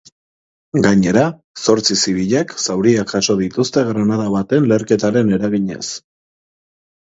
Gainera, zortzi zibilek zauriak jaso dituzte granada baten leherketaren eraginez.